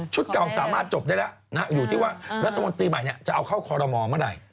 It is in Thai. เก่าสามารถจบได้แล้วอยู่ที่ว่ารัฐมนตรีใหม่จะเอาเข้าคอรมอลเมื่อไหร่